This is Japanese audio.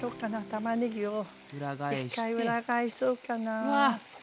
たまねぎを一回裏返そうかな。